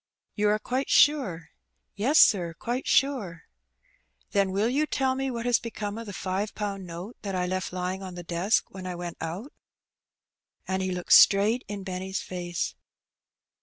"You are quite sure?" Yes, sir, quite sure." Then will you tell me what has become of the five pound note that I left lying on the desk when I went out?" And he looked straight in Benny's face.